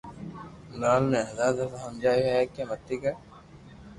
لال ني ھزار دفہ ھمجاويو ھي ڪي متي ڪر